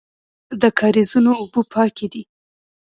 د کاریزونو اوبه پاکې دي